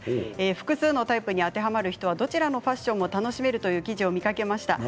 複数のタイプに当てはまる人はどちらのファッションも楽しめるという記事を見ました。